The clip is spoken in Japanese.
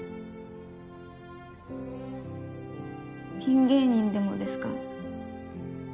ピン芸人でもですか？